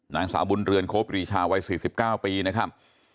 นางสาวบุญเรือนโคปรีชาวัย๔๙ปีนะครับ